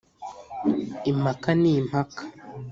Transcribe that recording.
impaka ni impaka.